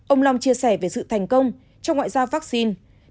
ông long chia sẻ về sự thành công trong ngoại giao vaccine